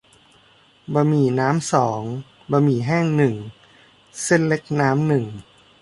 บะหมี่น้ำสอง บะหมี่แห้งหนึ่ง เส้นเล็กน้ำหนึ่ง